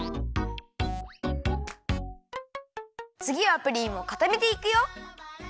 つぎはプリンをかためていくよ。